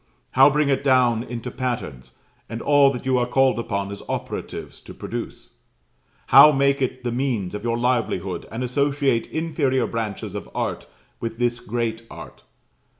how bring it down into patterns, and all that you are called upon as operatives to produce? how make it the means of your livelihood, and associate inferior branches of art with this great art?